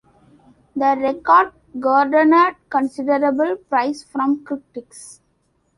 The record garnered considerable praise from critics.